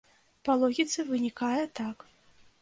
Па логіцы вынікае так.